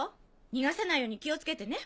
逃がさないように気をつけてね。